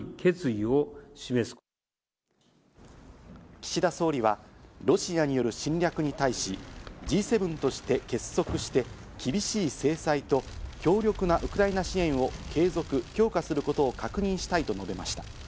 岸田総理はロシアによる侵略に対し、Ｇ７として結束して厳しい制裁と強力なウクライナ支援を継続、強化することを確認したいと述べました。